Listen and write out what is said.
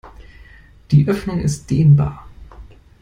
Die Öffnung ist dehnbar.